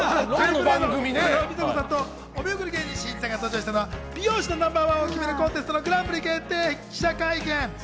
ＡＡＡの宇野実彩子さんとお見送り芸人しんいちさんが登場したのは美容師のナンバーワンを決めるコンテストのグランプリ決定記者発表会。